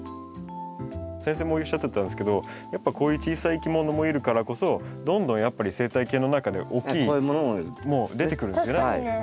先生もおっしゃってたんですけどやっぱこういう小さいいきものもいるからこそどんどんやっぱり生態系の中では大きい出てくるんですね。